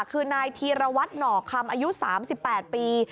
คือนายธีรวัตรหน่อคำอายุ๓๘ปี